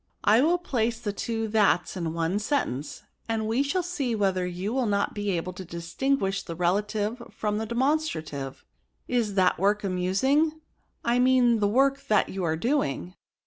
^^ I will place the two thata in one sentence ; and we shall see whether you will not be able to distinguish the relative from the de* monstrative; is that work very amusing? I mean the work that you are doing."